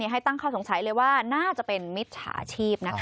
ให้ตั้งข้อสงสัยเลยว่าน่าจะเป็นมิจฉาชีพนะคะ